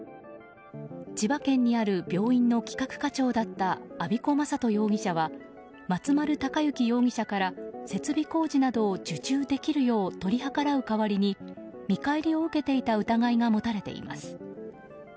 千葉県にある病院の企画課長だった安彦昌人容疑者は松丸隆行容疑者から設備工事などを受注できるよう取り計らう代わりに見返りを受けていた疑いが持たれています。